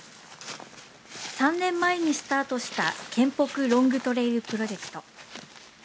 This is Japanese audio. ３年前にスタートした県北ロングトレイルプロジェクト。